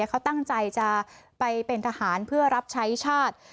เขาตั้งใจจะไปเป็นทหารเพื่อรับใช้ชาติ